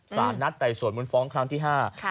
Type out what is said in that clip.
สารนัดใดสวนมุนฟ้องครั้งที่ห้าค่ะ